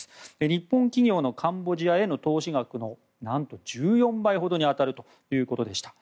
日本企業のカンボジアへの投資額の何と１４倍ほどに当たるということでした。